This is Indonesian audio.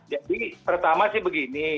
jadi pertama sih begini